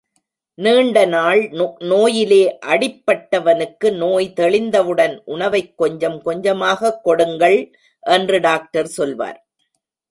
நீண்ட நாள் நோயிலே அடிப்பட்டவனுக்கு நோய் தெளிந்தவுடன் உணவைக் கொஞ்சம் கொஞ்சமாகக் கொடுங்கள் என்று டாக்டர் சொல்வார்.